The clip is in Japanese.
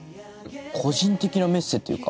個人的なメッセっていうか。